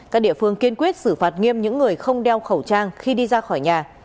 các địa phương kiên quyết xử phạt nghiêm những người không đeo khẩu trang khi đi ra khỏi nhà